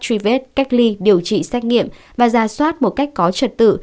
truy vết cách ly điều trị xét nghiệm và ra soát một cách có trật tự